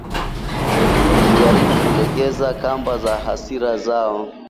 nikijaribu kulegeza kamba za hasira zao